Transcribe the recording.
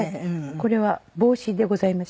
これは帽子でございました。